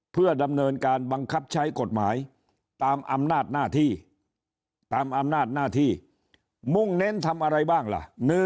เพื่อดำเนินการบังคับใช้กฎหมายตามอำนาจหน้าที่ตามอำนาจหน้าที่มุ่งเน้นทำอะไรบ้างล่ะ